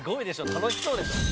楽しそうでしょ」